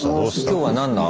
今日は何だ？